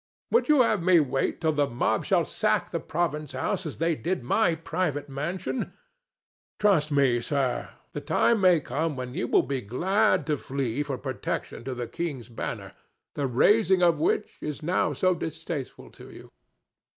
Would you have me wait till the mob shall sack the province house as they did my private mansion? Trust me, sir, the time may come when you will be glad to flee for protection to the king's banner, the raising of which is now so distasteful to you."